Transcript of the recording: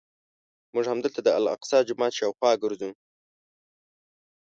موږ همدلته د الاقصی جومات شاوخوا ګرځو.